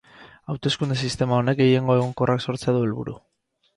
Hauteskunde sistema honek gehiengo egonkorrak sortzea du helburu.